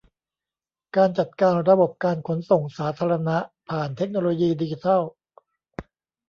การจัดการระบบการขนส่งสาธารณะผ่านเทคโนโลยีดิจิทัล